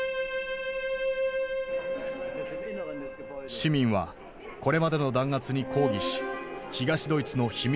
市民はこれまでの弾圧に抗議し東ドイツの秘密